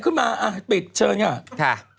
ขึ้นมาอ่ะปิดเชิญค่ะ